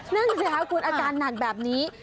เนื่องจากคุณอาการหนักแบบนี้